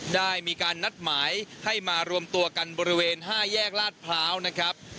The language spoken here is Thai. ได้มีการนัดหมายให้มารวมตัวกันบริเวณ๕แยกลาดพร้าวนะครับ